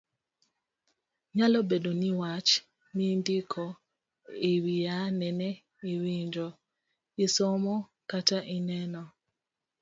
Nyalo bedo ni wach mindiko ewiye nene iwinjo, isomo kata ineno.